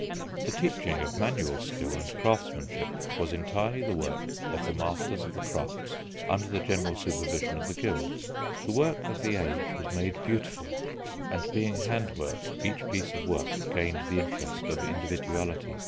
The teaching of manual skill and craftsmanship was entirely the work of the masters of the crafts under the general supervision of the guilds. The work of the age was made beautiful, and being handwork each piece of work gained the interest of individuality.